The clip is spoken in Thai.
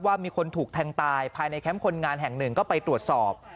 มีคนถูกแทงตายภายในแคมป์คนงานแห่งหนึ่งก็ไปตรวจสอบ